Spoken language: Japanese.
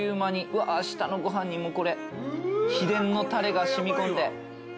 うわ下のご飯にも秘伝のたれが染み込んで。